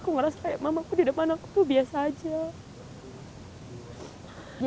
aku ngerasa kayak mamaku di depan aku tuh biasa aja